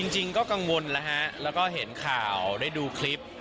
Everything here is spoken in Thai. จริงก็กังวลแล้วฮะแล้วก็เห็นข่าวได้ดูคลิป